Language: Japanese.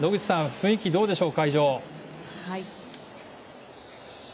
雰囲気どうでしょう？